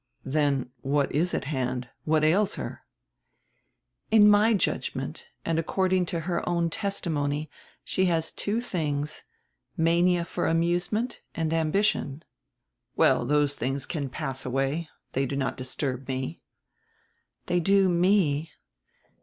"Then what is at hand? What ails her?" "In my judgment, and according to her own testimony, she has two tilings: mania for amusement and ambition." "Well, those things can pass away. They do not dis turb me." "They do me.